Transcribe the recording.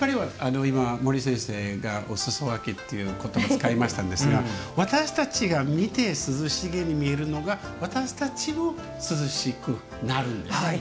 毛利先生がおすそ分けっていうことばを使いましたんですが私たちが見て涼しげに見えるのが私たちも涼しくなるんですね。